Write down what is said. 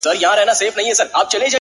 بيا چي يخ سمال پټيو څخه راسي؛